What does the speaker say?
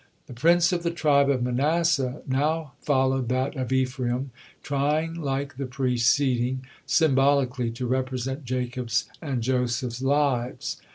The prince of the tribe of Manasseh now followed that of Ephraim, trying like the preceding, symbolically to represent Jacob's and Joseph's lives.